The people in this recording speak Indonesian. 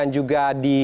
ini ada tiga